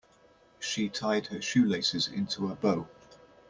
She tied her shoelaces into a bow.